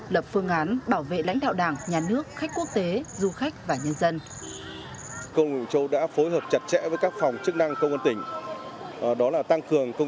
lập phương án bảo vệ lãnh đạo đảng nhà nước khách quốc tế du khách và nhân dân